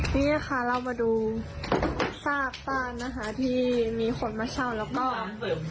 นี่ค่ะเรามาดูซากบ้านนะคะที่มีคนมาเช่าแล้วก็